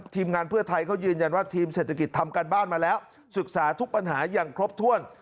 ทีมงานเพื่อไทยเขายืนยันว่าทีมเศรษฐกิจทำการบ้านมาแล้วศึกษาทุกปัญหาอย่างครบถ้วน